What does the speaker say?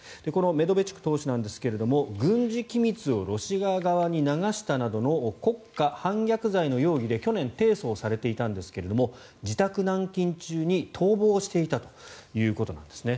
メドベチュク党首なんですが軍事機密をロシア側に流したなどの国家反逆罪の容疑で去年、提訴をされていたんですが自宅軟禁中に逃亡していたということなんですね。